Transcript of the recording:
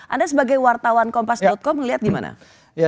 anda sebagai wartawan kompas com melihat gimana